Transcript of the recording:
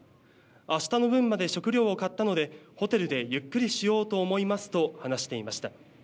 あしたの分まで食料を買ったのでホテルでゆっくりしようと思いますと話していました。